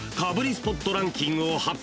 スポットランキングを発表］